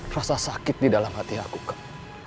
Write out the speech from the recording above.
rasa sakit di dalam hati aku kan